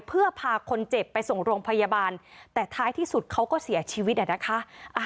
เพื่อพาคนเจ็บไปส่งโรงพยาบาลแต่ท้ายที่สุดเขาก็เสียชีวิตนะคะ